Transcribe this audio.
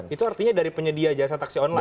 itu artinya dari penyedia jasa taksi online